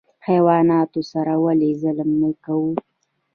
حیواناتو سره ولې ظلم نه کوو؟